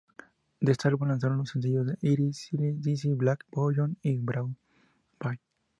De este álbum lanzaron los sencillos: Iris, Slide, Dizzy, Black Balloon y Broadway.